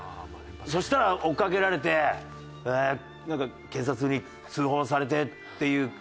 そしたら追っかけられてなんか警察に通報されてっていう感じで。